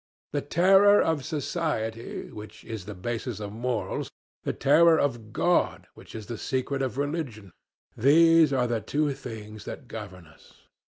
The terror of society, which is the basis of morals, the terror of God, which is the secret of religion—these are the two things that govern us.